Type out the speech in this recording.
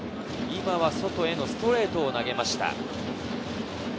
今は外へのストレートを投げました。